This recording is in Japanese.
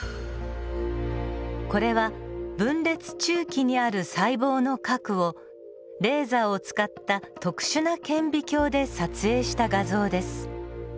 これは分裂中期にある細胞の核をレーザーを使った特殊な顕微鏡で撮影した画像です。